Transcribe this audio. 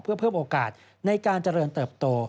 เพื่อเพิ่มโอกาสในการเจริญเติบโต